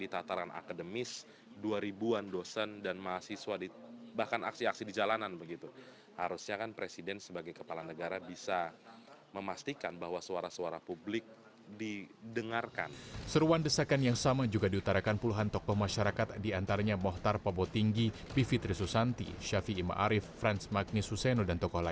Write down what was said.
terima kasih dua hari yang lalu kita bicara ini sekarang kita bicara ini lagi ya